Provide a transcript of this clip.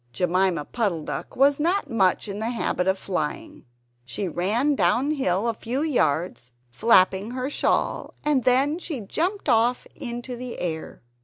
Jemima Puddle duck was not much in the habit of flying. She ran downhill a few yards flapping her shawl, and then she jumped off into the air.